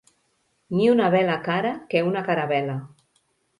Ni una vela cara que una caravel·la.